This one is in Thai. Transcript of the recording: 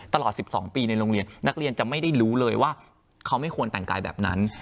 ตลอด๑๒ปีในโรงเรียนนักเรียนจะไม่ได้รู้เลยว่าเขาไม่ควรแต่งกายแบบนั้น